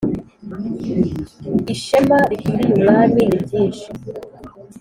ishema rikwiriye umwami ni ryinshi